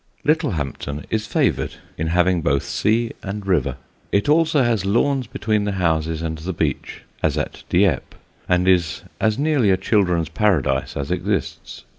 Littlehampton is favoured in having both sea and river. It also has lawns between the houses and the beach, as at Dieppe, and is as nearly a children's paradise as exists.